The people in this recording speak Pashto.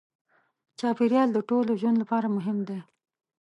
چاپېریال د ټولو ژوند لپاره مهم دی.